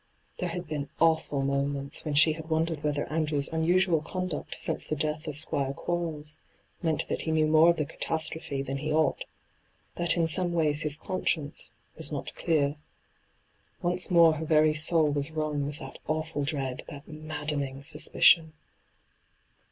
* There had been awful moments when she had wondered whether Andrew's unusual conduct since the death of Squire Quarles meant that he knew more of the catastrophe than he ought — that in some way his conscience was not clear. Once more her very soul was wrung with that awful dread, that maddening suspicion.